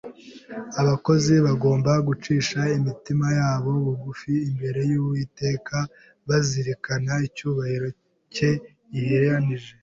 Abakozi bagomba gucisha imitima yabo bugufi imbere y’Uwiteka, bazirikana icyubahiro cye giheranije